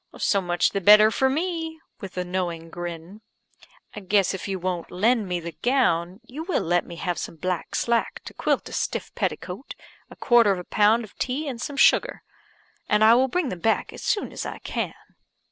"So much the better for me," (with a knowing grin). "I guess if you won't lend me the gown, you will let me have some black slack to quilt a stuff petticoat, a quarter of a pound of tea and some sugar; and I will bring them back as soon as I can."